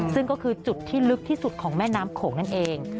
ซึ่งก็คือจุดที่ลึกที่สุดของแม่น้ำโขงนั่นเอง